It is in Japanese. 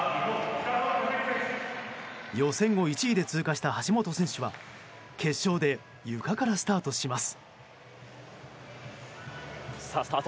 予選を１位で通過した橋本選手は決勝でゆかからスタートします。